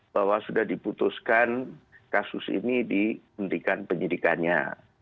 bahwa sudah diputuskan kasus ini dihentikan penyidikannya